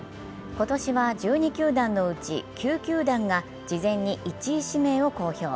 今年は１２球団のうち９球団が事前に１位指名を公表。